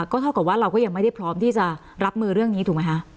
ก็เท่ากับว่าเราก็ยังไม่ได้พร้อมที่จะรับมือเรื่องนี้ถูกไหมคะ